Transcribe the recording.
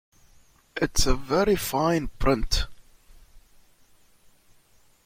It's a very fine print.